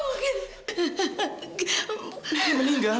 mama sudah meninggal